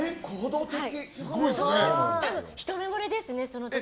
多分、ひと目ぼれですね。